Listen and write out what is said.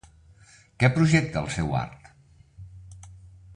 Què projecta en el seu art?